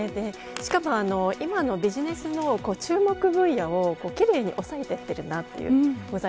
しかも、今のビジネスの注目分野を奇麗に押さえていっているなと。